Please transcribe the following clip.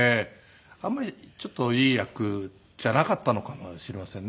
あんまりちょっといい役じゃなかったのかもしれませんね